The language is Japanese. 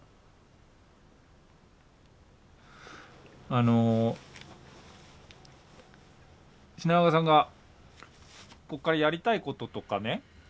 あの品川さんがここからやりたいこととかね。